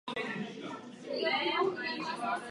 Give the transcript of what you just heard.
Byl aktivní i jako filantrop.